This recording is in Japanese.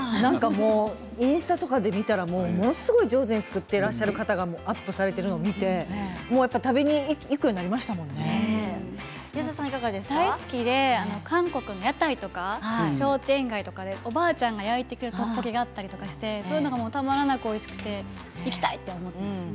インスタとかで見たらものすごく上手に作ってらっしゃる方がアップされているのを見て大好きで韓国の屋台とか商店街とかでおばあちゃんが焼いてくれるトッポギがあったりしてそういうのがたまらなくおいしくて行きたいと思って。